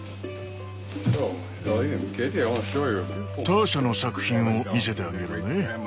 ターシャの作品を見せてあげようね。